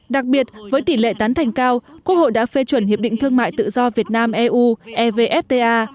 đặc biệt với tỷ lệ tán thành cao quốc hội đã phê chuẩn hiệp định thương mại tự do việt nam eu evfta